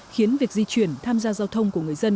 khiến việc di chuyển tham gia giao thông của người dân